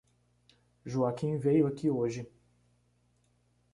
Joaquim veio aqui hoje.